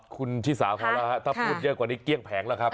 คุณที่สาของเราถ้าพูดเยอะกว่านี้เกี้ยงแผงแล้วครับ